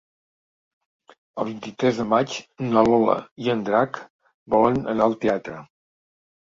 El vint-i-tres de maig na Lola i en Drac volen anar al teatre.